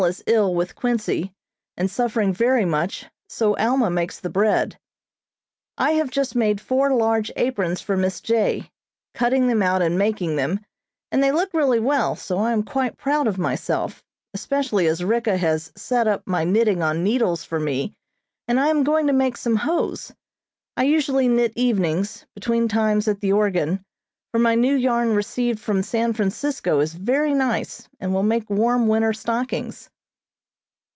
is ill with quincy and suffering very much, so Alma makes the bread. I have just made four large aprons for Miss J., cutting them out and making them, and they look really well, so I am quite proud of myself, especially as Ricka has "set up" my knitting on needles for me, and I am going to make some hose. I usually knit evenings, between times at the organ, for my new yarn received from San Francisco is very nice, and will make warm winter stockings.